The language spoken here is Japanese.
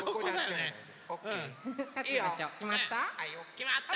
きまった？